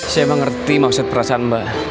saya mengerti maksud perasaan mbak